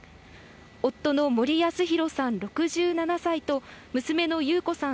夫の森保啓さん６７歳と、娘の優子さん